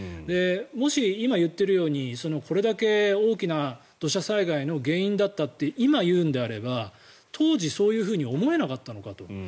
もし、今言っているようにこれだけ大きな土砂災害の原因だったって今言うのであれば当時、そういうふうに思えなかったのかと。